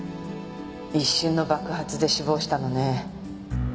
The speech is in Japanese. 一瞬の爆発で死亡したのね。